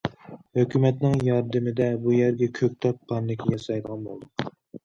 ھۆكۈمەتنىڭ ياردىمىدە بۇ يەرگە كۆكتات پارنىكى ياسايدىغان بولدۇق.